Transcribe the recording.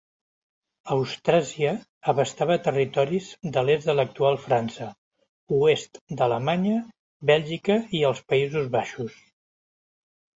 Austràsia abastava territoris de l'est de l'actual França, oest d'Alemanya, Bèlgica i els Països Baixos.